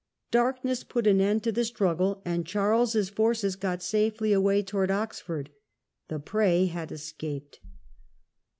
Darkness put an end to the strug gle, and Charles's forces got safely away towards Oxford. The prey had escaped.